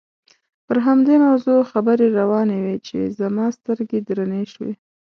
پر همدې موضوع خبرې روانې وې چې زما سترګې درنې شوې.